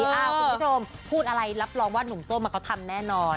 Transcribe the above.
คุณผู้ชมพูดอะไรรับรองว่าหนุ่มส้มเขาทำแน่นอน